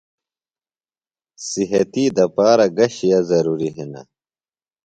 صحتی دپارہ گہ شئے ضرُوریۡ ہِنہ؟